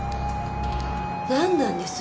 なんなんです？